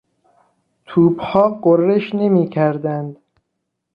توپها غرش نمیکردند.